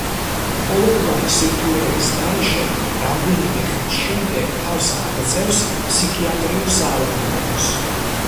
ყოველგვარი სირთულეების გარეშე რამდენიმე ხნის შემდეგ, თავს აღწევს ფსიქიატრიულ საავადმყოფოს.